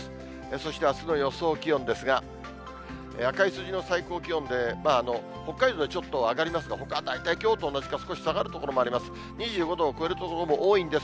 そしてあすの予想気温ですが、赤い数字の最高気温で、北海道でちょっと上がりますがほかは大体きょうと同じか少し下がる所もあります。